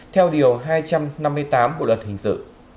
theo điều hai trăm năm mươi tám bộ luật hình sự